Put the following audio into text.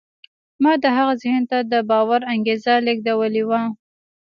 ما د هغه ذهن ته د باور انګېزه لېږدولې وه